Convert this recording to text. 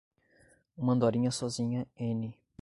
Uma andorinha sozinha n